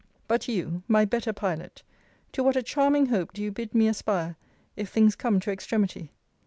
But you, my better pilot, to what a charming hope do you bid me aspire, if things come to extremity!